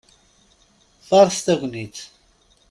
Faṛeṣ tagnit!